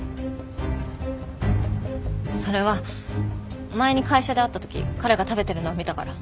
それは前に会社で会った時彼が食べてるのを見たから。